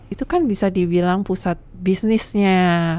itu kan bisa dibilang pusat bisnisnya